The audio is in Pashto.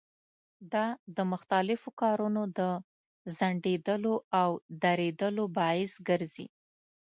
دا د مختلفو کارونو د ځنډېدلو او درېدلو باعث ګرځي.